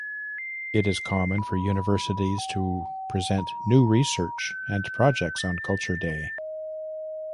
It is common for universities to present new research and projects on Culture Day.